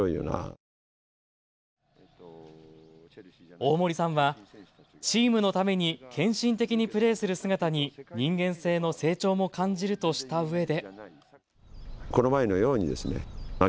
大森さんはチームのために献身的にプレーする姿に人間性の成長も感じるとしたうえで。